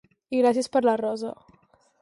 I gràcies per la rosa!